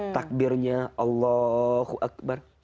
takbirnya allahu akbar